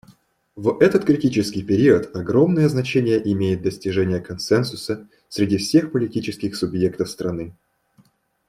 В этот критический период огромное значение имеет достижение консенсуса среди всех политических субъектов страны.